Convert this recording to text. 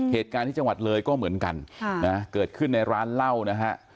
เหตุการณ์ที่จังหวัดเลยก็เหมือนกันเกิดขึ้นในร้านเหล้านะฮะ